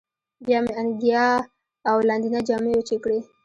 بیا مې انګیا او لاندینۍ جامې وچې کړې.